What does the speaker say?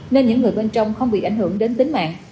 nên những người bên trong không bị ảnh hưởng đến tính mạng